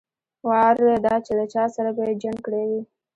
وار دا چې له چا سره به يې جنګ کړى وي.